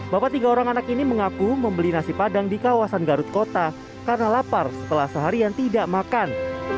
bapak tiga orang anak ini mengaku membeli nasi padang di kawasan garut kota karena lapar setelah seharian tidak makan